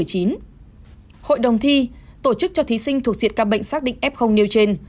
hội đồng thi tổ chức cho thí sinh thuộc diện ca bệnh xác định f nêu trên